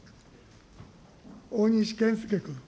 大西健介君。